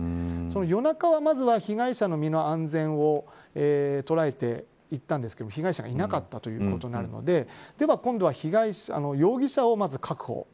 夜中はまずは被害者の身の安全を捉えていったんですけど被害者がいなかったということになるのででは、今度は容疑者をまず確保。